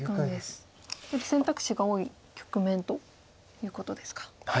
選択肢が多い局面ということですか。